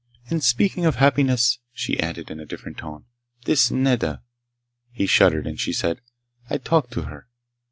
"And speaking of happiness," she added in a different tone, "this Nedda...." He shuddered, and she said: "I talked to her.